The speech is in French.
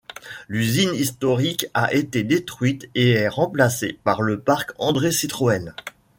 L'usine historique a été détruite et est remplacée par le Parc André-Citroën.